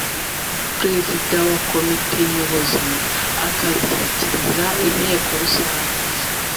Perezida wa Komite Nyobozi akazishyikiriza Inteko Rusange